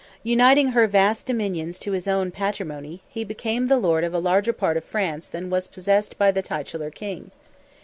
Uniting her vast dominions to his own patrimony, he became the lord of a larger part of France than was possessed by the titular king.